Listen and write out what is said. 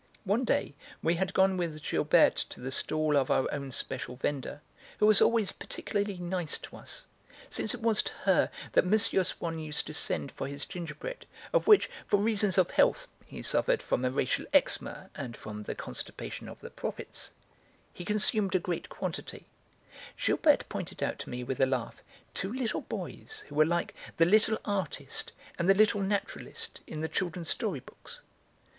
One day, we had gone with Gilberte to the stall of our own special vendor, who was always particularly nice to us, since it was to her that M. Swann used to send for his gingerbread, of which, for reasons of health (he suffered from a racial eczema, and from the constipation of the prophets), he consumed a great quantity, Gilberte pointed out to me with a laugh two little boys who were like the little artist and the little naturalist in the children's storybooks.